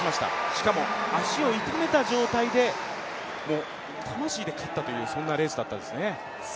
しかも足を痛めた状態で魂で勝ったというそんなレースでしたね。